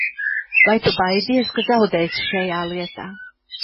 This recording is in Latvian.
Vai tu baidies, ka zaudēsi šajā lietā?